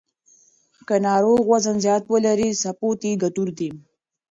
که ناروغ وزن زیات ولري، سپورت یې ګټور دی.